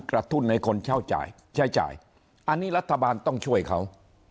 กระตุ้นให้คนใช้จ่ายอันนี้รัฐบาลต้องช่วยเขา